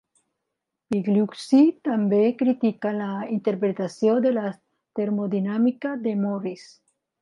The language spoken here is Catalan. Pigliucci també criticà la interpretació de la termodinàmica de Morris.